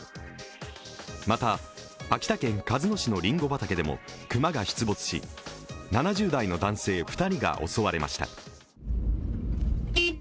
また秋田県鹿角市のりんご畑でも熊が出没し、７０代の男性２人が襲われました。